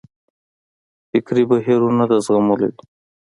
فکري بهیرونه د زغملو وي.